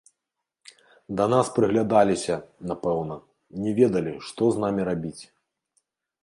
Да нас прыглядаліся, напэўна, не ведалі, што з намі рабіць.